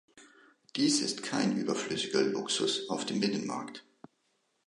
Dies ist kein überflüssiger Luxus auf dem Binnenmarkt.